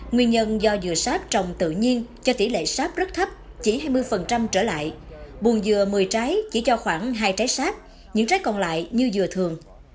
nguyên nhân do dừa sáp trồng tự nhiên cho tỷ lệ sáp rất thấp chỉ hai mươi trở lại buồn dừa một mươi trái chỉ cho khoảng hai trái sáp những trái còn lại như dừa thường